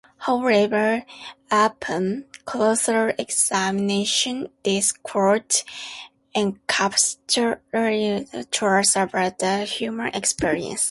However, upon closer examination, this quote encapsulates a profound truth about the human experience.